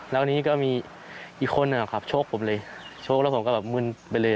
แล้วทีนี้ก็มีอีกคนชกผมเลยชกแล้วผมก็มึนไปเลย